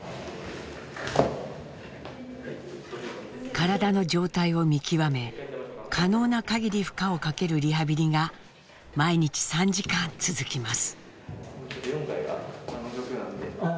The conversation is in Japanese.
体の状態を見極め可能なかぎり負荷をかけるリハビリが毎日３時間続きます。